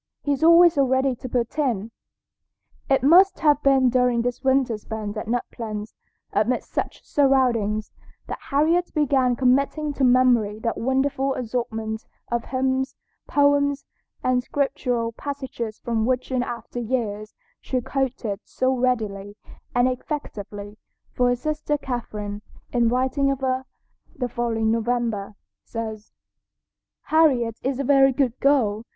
He's always so ready to put in." It must have been during this winter spent at Nut Plains, amid such surroundings, that Harriet began committing to memory that wonderful assortment of hymns, poems, and scriptural passages from which in after years she quoted so readily and effectively, for her sister Catherine, in writing of her the following November, says: "Harriet is a very good girl.